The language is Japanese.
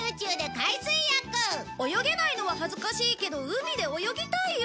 泳げないのは恥ずかしいけど海で泳ぎたいよ！